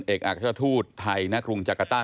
เอกอักราชทูตไทยณกรุงจักรต้า